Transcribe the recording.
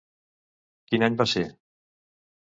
Quin any va ser?